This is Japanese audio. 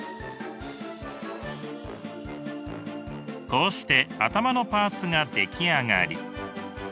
こうして頭のパーツが出来上がり。